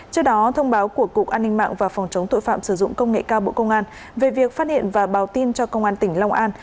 trước đó thông báo của cục an ninh mạng và phòng chống tội phạm sử dụng công nghệ cao bộ công an về việc phát hiện và báo tin cho công an tỉnh long an